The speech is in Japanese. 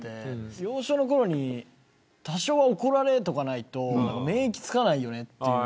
幼少のころに多少は怒られておかないと免疫つかないよねって。